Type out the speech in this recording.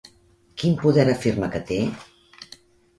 Quin poder afirma que té?